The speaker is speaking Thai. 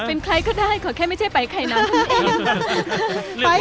เป็นใครก็ได้เพราะแค่ไม่ใช่ไปไข่นันคุณเอง